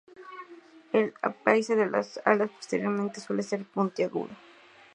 El ápice de las alas posteriores suele ser puntiagudo.